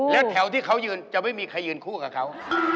แล้วแถวที่เขายืนจะไม่มีใครยืนคู่กับเขา